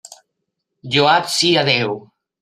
Lloat sia Déu!